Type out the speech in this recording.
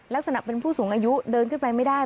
ลักษณะเป็นผู้สูงอายุเดินขึ้นไปไม่ได้